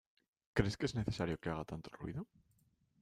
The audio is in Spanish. ¿Crees que es necesario que haga tanto ruido?